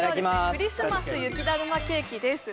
クリスマス雪だるまケーキです